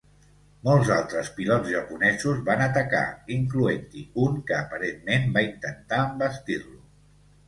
Molts altres pilots japonesos van atacar, incloent-hi un que aparentment va intentar envestir-lo.